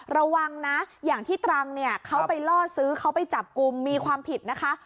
ระวังนะอย่างที่ตรังเนี่ยเขาไปล่อซื้อเขาไปจับกลุ่มมีความผิดนะคะ